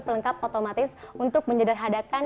pelengkap otomatis untuk menjadahadakan